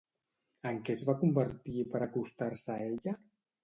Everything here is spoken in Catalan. En què es va convertir per acostar-se a ella?